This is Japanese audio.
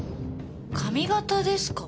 髪型ですか？